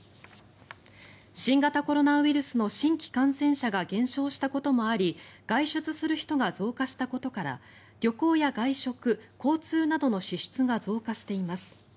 新型コロナウイルスの新規感染者が減少したこともあり外出する人が増加したことから旅行や外食、交通などの支出が増加しています。